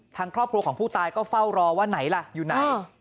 ทางครอบครัวของผู้ตายก็เฝ้ารอว่าไหนล่ะอยู่ไหน